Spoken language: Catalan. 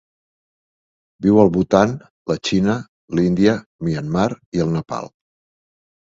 Viu al Bhutan, la Xina, l'Índia, Myanmar i el Nepal.